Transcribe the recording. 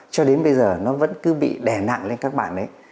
cho đến bây giờ nó vẫn cứ bị đè nặng lên các bạn đấy